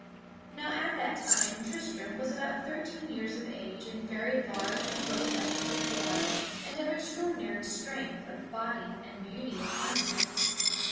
Now at that time Tristram was about thirteen years of age and very large and robust of form and of extraordinary strength of body and beauty of countenance.